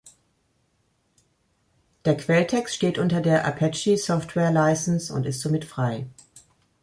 Der Quelltext steht unter der Apache Software License und ist somit frei.